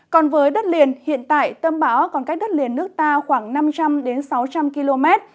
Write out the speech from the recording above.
còn với đất liền hiện tại tâm báo còn cách đất liền nước ta khoảng năm trăm linh đến sáu trăm linh km